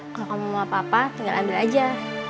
kalo kamu mau apa apa tinggal andal aja